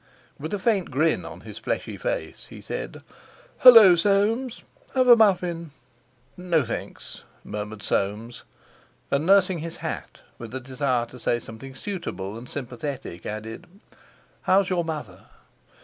With a faint grin on his fleshy face, he said: "Hallo, Soames! Have a muffin?" "No, thanks," murmured Soames; and, nursing his hat, with the desire to say something suitable and sympathetic, added: "How's your mother?"